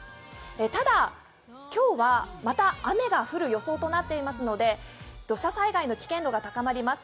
ただ今日はまた雨が降る予想となっていますので土砂災害の危険度が高まります。